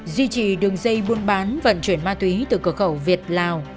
duy trì đường dây buôn bán vận chuyển ma túy từ cửa khẩu việt lào